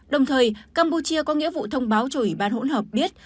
đồng thời campuchia có nghĩa vụ thông báo cho ủy ban hỗn hợp biết